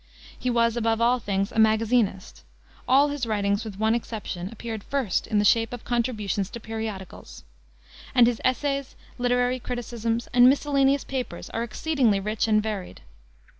He was, above all things, a magazinist. All his writings, with one exception, appeared first in the shape of contributions to periodicals; and his essays, literary criticisms, and miscellaneous papers are exceedingly rich and varied.